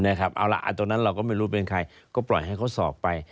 เอาล่ะตอนนั้นเราก็ไม่รู้เป็นใครก็ปล่อยให้เขาสอบไป